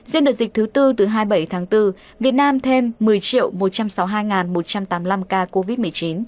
riêng đợt dịch thứ tư từ hai mươi bảy tháng bốn việt nam thêm một mươi một trăm sáu mươi hai một trăm tám mươi năm ca covid một mươi chín